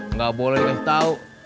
nggak boleh dikasih tahu